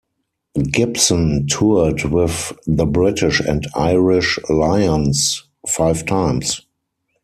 Gibson toured with the British and Irish Lions five times.